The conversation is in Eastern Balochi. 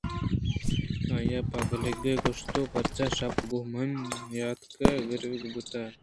آئی ءَپہ گلگ گوٛشتتو پرچہ شپ ءَ گوں من نیاتکے آگرٛیوگی بوت